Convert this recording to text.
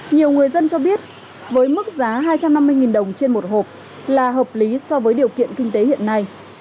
nhiều người dân cho biết với mức giá hai trăm năm mươi đồng trên một hộp là hợp lý so với điều kiện kinh tế hiện nay